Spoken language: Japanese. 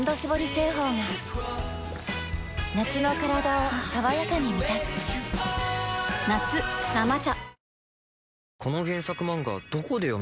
製法が夏のカラダを爽やかに満たす夏「生茶」